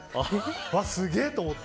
すげえと思って。